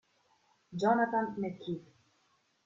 Jonathan McKee